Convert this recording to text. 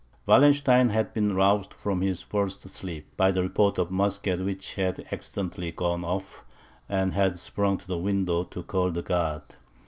Wallenstein had been roused from his first sleep, by the report of a musket which had accidentally gone off, and had sprung to the window to call the guard.